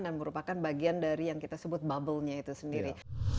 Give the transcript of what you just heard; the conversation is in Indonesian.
dan merupakan bagian dari yang kita sebut bubblenya itu sendiri